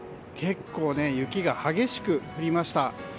結構雪が激しく降りました。